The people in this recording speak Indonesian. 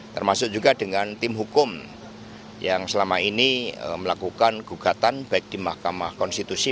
termasuk juga dengan tim hukum yang selama ini melakukan gugatan baik di mahkamah konstitusi